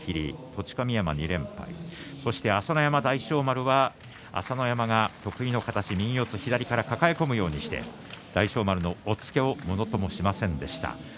栃神山、２連敗朝乃山、大翔丸は朝乃山が得意の形右四つ左から抱え込むようにして大翔丸の押っつけをものともしませんでした。